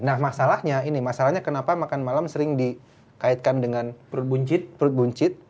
nah masalahnya ini masalahnya kenapa makan malam sering dikaitkan dengan perut buncit